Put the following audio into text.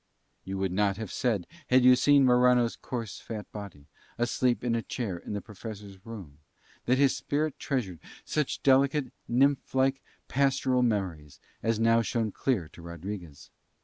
You would not have said, had you seen Morano's coarse fat body, asleep in a chair in the Professor's room, that his spirit treasured such delicate, nymph like, pastoral memories as now shone clear to Rodriguez.